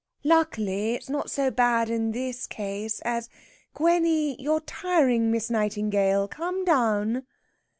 "Luckily, it's not so bad in this case as (Gwenny, you're tiring Miss Nightingale. Come down!)